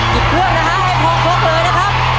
หยุดเครื่องนะคะให้พล็อกเลยนะครับ